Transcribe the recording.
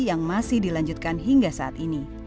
yang masih dilanjutkan hingga saat ini